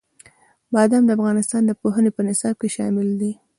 بادام د افغانستان د پوهنې په نصاب کې شامل دي.